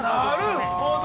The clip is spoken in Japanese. ◆なるほど。